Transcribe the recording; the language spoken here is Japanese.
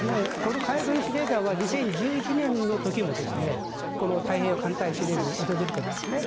海軍司令官は２０１１年の時も太平洋艦隊司令部を訪れているんですね。